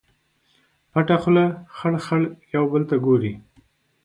پټه خوله خړ، خړ یو بل ته ګوري